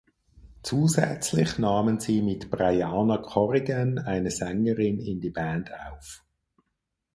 Zusätzlich nahmen sie mit Briana Corrigan eine Sängerin in die Band auf.